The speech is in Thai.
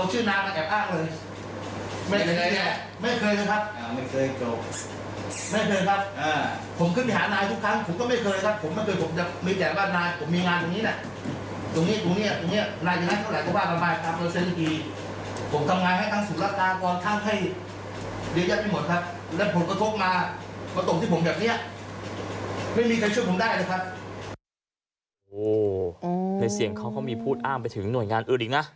ในเสียงเขาก็มีพูดอ้างไปถึงหน่วยงานอื่นอีกนะ